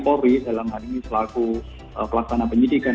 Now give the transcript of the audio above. polri dalam hal ini selaku pelaksana penyidikan